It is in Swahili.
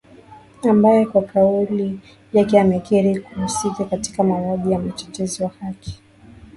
ambaye kwa kauli yake amekiri kuhusika katika mauwaji ya mtetezi wa haki